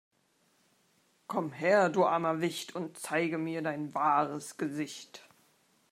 Komm her, du armer Wicht, und zeige mir dein wahres Gesicht!